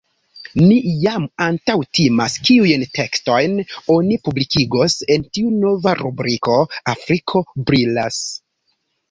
Mi jam antaŭtimas kiujn tekstojn oni publikigos en tiu nova rubriko “Afriko brilas”.